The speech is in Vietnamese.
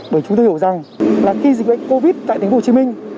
bởi chúng tôi hiểu rằng là khi dịch bệnh covid tại tp hcm